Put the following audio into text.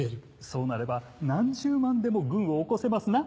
そうなれば何十万でも軍を興せますな。